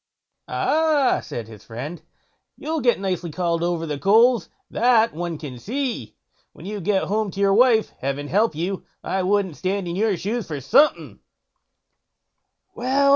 "Ah!" said his friend, "you'll get nicely called over the coals, that one can see, when you get home to your wife. Heaven help you, I wouldn't stand in your shoes for something." "Well!"